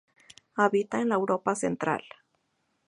Habita en la Europa Central.